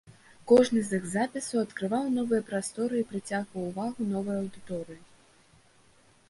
Кожны з іх запісаў адкрываў новыя прасторы і прыцягваў увагу новай аўдыторыі.